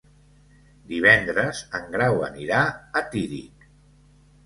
Divendres en Grau anirà a Tírig.